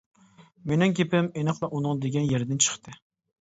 مېنىڭ گېپىم ئېنىقلا ئۇنىڭ دېگەن يېرىدىن چىقتى.